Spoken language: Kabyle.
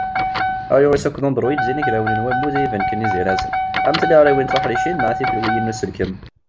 IOS akked Androïd d inagrawen n wammud i ibenken izirazen, am tiliɣriwin tuḥricin neɣ tifelwiyin n uselkem.